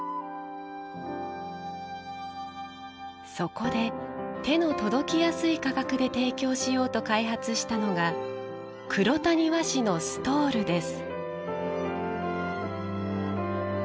そこで、手の届きやすい価格で提供しようと開発したのが黒谷和紙のストールです。